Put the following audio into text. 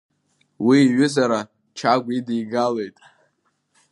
Уи иҩызара Чагә идигалеит.